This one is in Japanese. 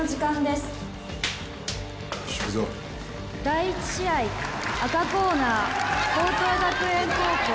「第１試合赤コーナー朋桐学園高校